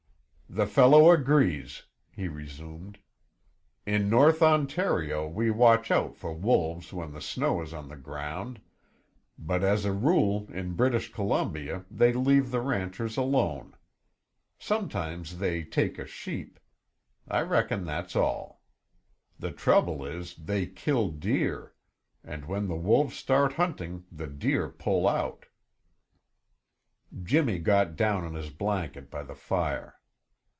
"The fellow agrees," he resumed. "In North Ontario we watch out for wolves when the snow is on the ground, but as a rule in British Columbia they leave the ranchers alone. Sometimes they take a sheep; I reckon that's all. The trouble is, they kill deer, and when the wolves start hunting the deer pull out." Jimmy got down on his blanket by the fire.